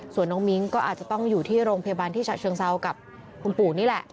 ส่วนน้องมิ้งก็อาจจะต้องอยู่ที่โรงพยาบาลที่ฉะเชิงเซากับคุณปู่นี่แหละ